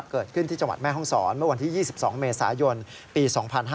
เกิดขึ้นที่จังหวัดแม่ห้องศรเมื่อวันที่๒๒เมษายนปี๒๕๕๙